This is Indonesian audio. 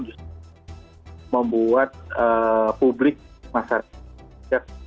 justru membuat publik masyarakat